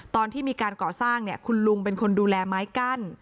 ตอนที่มีการก่อสร้างเนี่ยคุณลุงเป็นคนดูแลไม้กั้น